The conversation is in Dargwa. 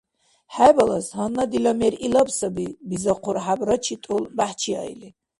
— ХӀебалас, гьанна дила мер ихаб саби, — билзахъу, хӀябрачи тӀул бяхӀчиаили.